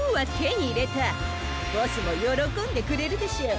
ボスもよろこんでくれるでしょう。